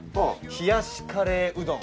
冷やしカレーうどん。